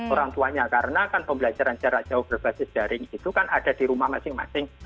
orang tuanya karena kan pembelajaran jarak jauh berbasis daring itu kan ada di rumah masing masing